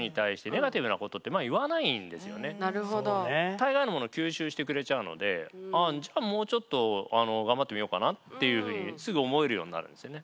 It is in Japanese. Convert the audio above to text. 大概のものを吸収してくれちゃうのでじゃあもうちょっと頑張ってみようかなっていうふうにすぐ思えるようになるんですよね。